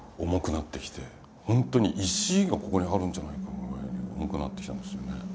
本当に石がここにあるんじゃないかぐらいに重くなってきたんですよね。